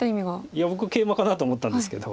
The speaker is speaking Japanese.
いや僕ケイマかなと思ったんですけど。